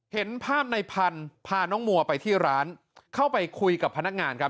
เห็นภาพในพันธุ์พาน้องมัวไปที่ร้านเข้าไปคุยกับพนักงานครับ